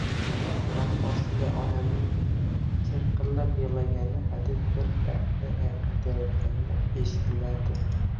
Qulog‘im ostida onamning chirqillab yig‘lagani, hadeb bir gapni qaytarayotgani eshitiladi.